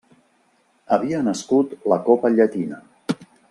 Havia nascut la copa Llatina.